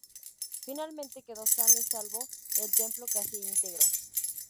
Finalmente quedó sano y salvo, el templo casi íntegro.